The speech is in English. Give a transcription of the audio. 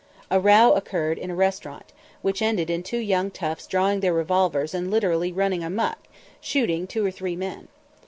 A row occurred in a restaurant, which ended in two young toughs drawing their revolvers and literally running amuck, shooting two or three men.